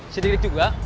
si dik dik juga